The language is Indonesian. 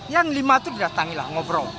yang lima itu datang lah ngobrol